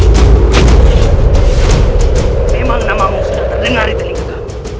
semangat namamu sudah terdengar di telinga kamu